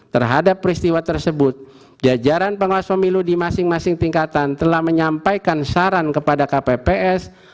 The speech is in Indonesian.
terhadap peristiwa tersebut jajaran pengawas pemilu di masing masing tingkatan telah menyampaikan saran kepada kpps